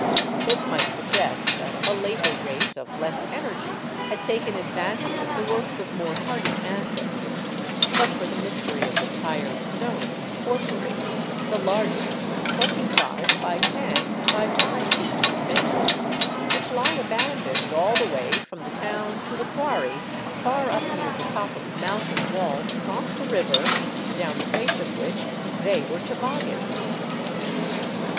This might suggest that a later race of less energy had taken advantage of the works of more hardy ancestors, but for the mystery of the '* Tired Stones " of porphyry, the largest 25 by 10 by 5 feet in dimensions, which lie abandoned all the way from the town to the quarry far up near the top of the mountain wall across the river, down the face of which they were tobogganed.